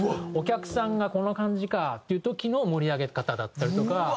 お客さんがこの感じかっていう時の盛り上げ方だったりとか。